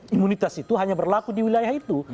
imunitas itu hanya berlaku di wilayah itu